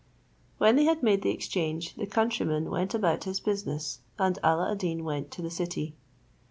When they had made the exchange, the countryman went about his business, and Alla ad Deen to the city.